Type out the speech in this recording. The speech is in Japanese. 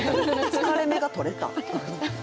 疲れ目がとれた。